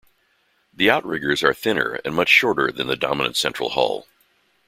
The outriggers are thinner and much shorter than the dominant central hull.